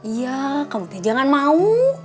iya kamu jangan mau